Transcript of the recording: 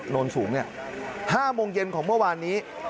นนสูง๕โมงเย็นของเมื่อวานนี้